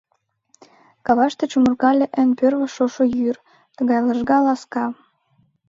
Каваште чумыргале Эн пӧрвӧ шошо йӱр — тугай лыжга, ласка.